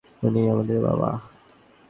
উনিই আমাদের বাবা।